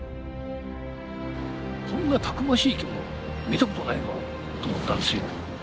こんなたくましい生き物見たことがないと思ったんですよ。